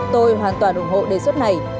tôi hoàn toàn ủng hộ đề xuất này